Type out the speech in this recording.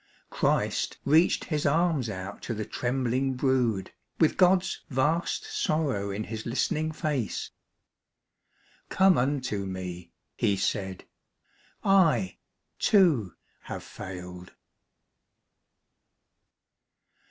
Christ reached His arms out to the trembling brood, With God's vast sorrow in His listening face. Come unto Me,' He said; 'I, too, have failed.